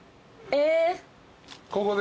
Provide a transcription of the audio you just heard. えっ！？